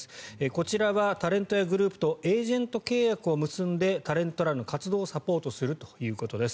こちらはタレントやグループとエージェント契約を結んでタレントらの活動をサポートするということです。